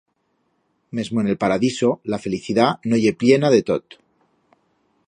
Mesmo en el Paradiso, la felicidat no ye pllena de tot.